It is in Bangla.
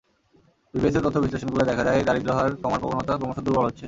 বিবিএসের তথ্য বিশ্লেষণ করলে দেখা যায়, দারিদ্র্য হার কমার প্রবণতা ক্রমশ দুর্বল হচ্ছে।